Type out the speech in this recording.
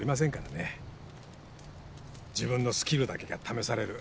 自分のスキルだけが試される。